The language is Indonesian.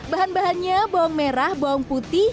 bahan bahannya bawang merah bawang putih